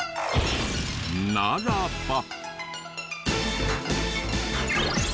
ならば。